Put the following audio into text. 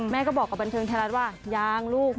แม่ก็บอกกับบันเทิงไทยรัฐว่ายังลูก